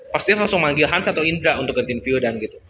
posisinya langsung manggil hans atau indra untuk ngetin vildan gitu